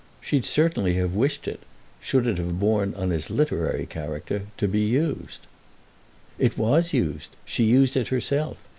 She'd certainly have wished it—should it have borne on his literary character—to be used." "It was used. She used it herself.